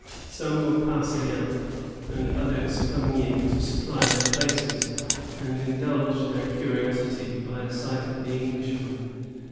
Some were passing out, and others coming in to supply their places, and indulge their curiosity by a sight of the Englishmen.